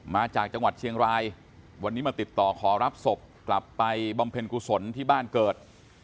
มาจากจังหวัดเชียงรายวันนี้มาติดต่อขอรับศพกลับไปบำเพ็ญกุศลที่บ้านเกิด